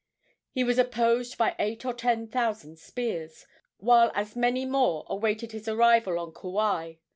He was opposed by eight or ten thousand spears, while as many more awaited his arrival on Kauai.